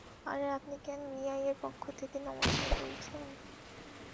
আরে, আপনি কেন বিয়াইয়ের পক্ষ থেকে নমস্কার বলছেন?